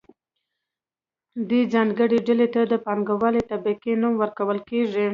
دې ځانګړې ډلې ته د پانګوالې طبقې نوم ورکول کیږي.